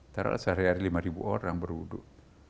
terus sehari hari lima orang berwuduk